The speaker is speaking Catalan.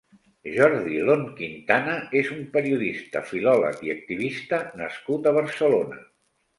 Jordi Lon Quintana és un periodista, filòleg i activista nascut a Barcelona.